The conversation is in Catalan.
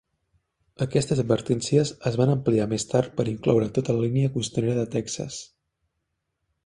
Aquestes advertències es van ampliar més tard per incloure tota la línia costanera de Texas.